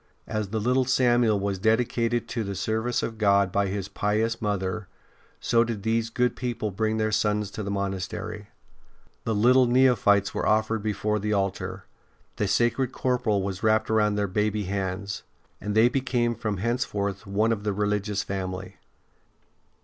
As the little Samuel was dedicated to the service of God by his pious mother, so did these good people bring their sons to the monastery. The little neo phytes were offered before the altar; the sacred corporal was wrapped round their baby hands, and they became from henceforth one of the religious family.